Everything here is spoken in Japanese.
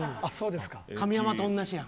神山と同じやん。